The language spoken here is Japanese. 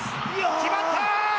決まった！